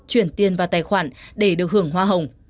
chuyển tiền vào tài khoản để được hưởng hoa hồng